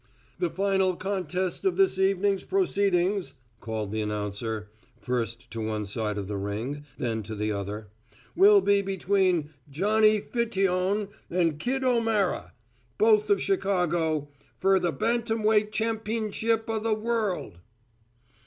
"The final contest of this evening's proceedings," called the announcer, first to one side of the ring, then to the other, "will be between Johnny Fiteon and Kid O'Mara, both of Chicago, fer th' bantamweight champ'nship o' th' world."